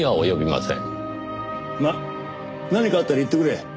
まあ何かあったら言ってくれ。